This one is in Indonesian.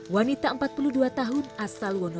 wanita empat puluh dua tahun asal wono